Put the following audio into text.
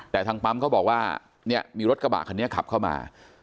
แต่ทางปั๊มเขาบอกว่าเนี่ยมีรถกระบะคันนี้ขับเข้ามา